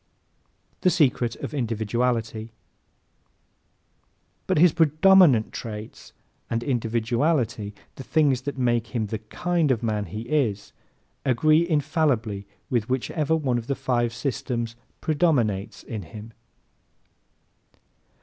The Secret of Individuality ¶ But his PREDOMINANT traits and INDIVIDUALITY the things that make him the KIND of man he is agree infallibly with whichever one of the five systems PREDOMINATES in him.